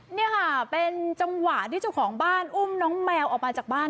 นี่ค่ะเป็นจังหวะที่เจ้าของบ้านอุ้มน้องแมวออกมาจากบ้าน